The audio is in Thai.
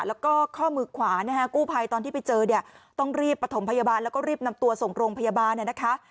แล้วก็ข้อมือขวานะฮะกู้ภัยตอนที่ไปเจอเนี่ยต้องรีบประถมพยาบาลแล้วก็รีบนำตัวส่งโรงพยาบาลเนี่ยนะคะ